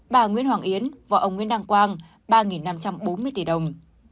bà nguyễn hoàng yến và ông nguyễn đăng quang ba năm trăm bốn mươi tỷ đồng